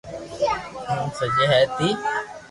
ايم سڄي ھي ني